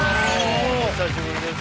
お久しぶりです